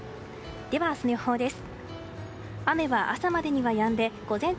では明日の予報です。